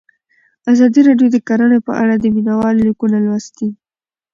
ازادي راډیو د کرهنه په اړه د مینه والو لیکونه لوستي.